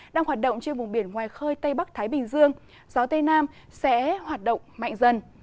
đang hoạt động trên vùng biển ngoài khơi tây bắc thái bình dương gió tây nam sẽ hoạt động mạnh dần